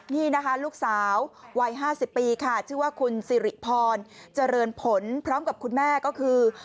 นี่นะคะลูกสาววัย๕๐ปีค่ะชื่อว่าคุณสิริพรเจริญผลพร้อมกับคุณแม่ก็คือ